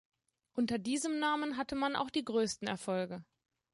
Unter diesem Namen hatte man auch die größten Erfolge.